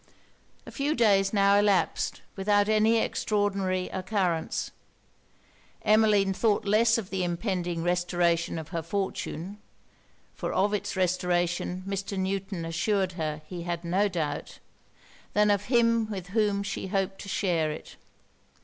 A few days now elapsed without any extraordinary occurrence. Emmeline thought less of the impending restoration of her fortune (for of it's restoration Mr. Newton assured her he had no doubt), than of him with whom she hoped to share it.